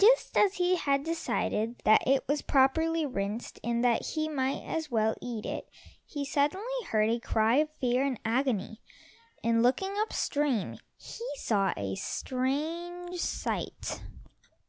Just as he had decided that it was properly rinsed, and that he might as well eat it, he suddenly heard a cry of fear and agony, and looking up stream, he saw a strange sight.